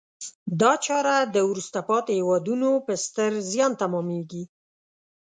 دا چاره د وروسته پاتې هېوادونو په ستر زیان تمامیږي.